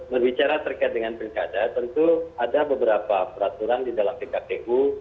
berbicara terkait dengan peringkat data tentu ada beberapa peraturan di dalam pktu